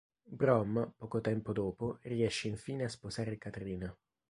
Brom, poco tempo, dopo riesce infine a sposare Katrina.